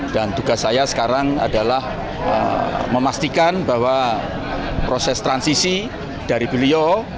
dan tugas saya sekarang adalah memastikan bahwa proses transisi dari beliau